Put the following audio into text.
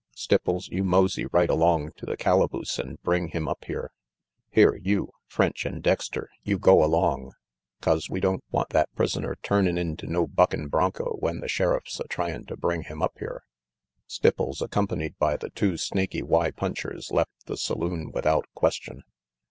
Stipples, you mosey right along to the calaboose an' bring him up here. Here you, French and Dexter, you go along, 'cause we don't want that prisoner turnin' into no buckin' bronco when the Sheriff's a tryin' to bring him up here." Stipples, accompanied by the two Snaky Y punchers, left the saloon without question.